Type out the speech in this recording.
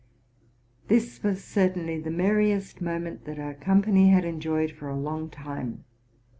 This was certainly the merriest moment that our company had enjoyed fora long time.